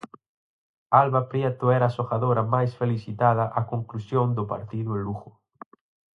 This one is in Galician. Alba Prieto era a xogadora máis felicitada á conclusión do partido en Lugo.